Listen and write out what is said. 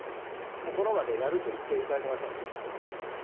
もう、この場でやると言っていただけませんか。